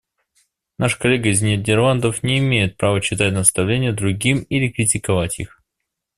Наш коллега из Нидерландов не имеет права читать наставления другим или критиковать их.